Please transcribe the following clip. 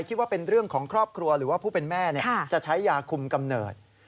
คิดว่าเป็นเรื่องของครอบครัวหรือว่าผู้เป็นแม่จะใช้ยาคุมกำเนิด